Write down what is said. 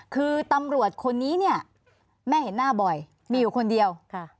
คือตำรวจคนนี้เนี่ยแม่เห็นหน้าบ่อยมีอยู่คนเดียว